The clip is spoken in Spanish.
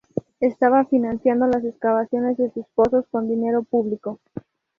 Estaba financiando las excavaciones de sus pozos con dinero público.